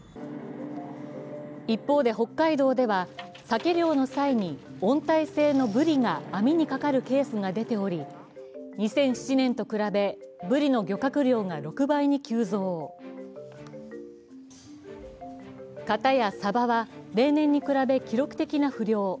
一方で、北海道ではサケ漁の際に温帯性のブリが網にかかるケースが出ており、２００７年と比べブリの漁獲量が６倍に急増片やサバは例年に比べ記録的な不漁。